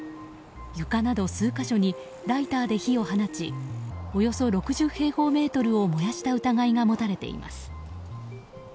床など数か所にライターで火を放ちおよそ６０平方メートルを燃やした疑いが持たれています。